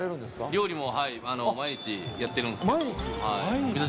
料理もはい、毎日やってるん毎日？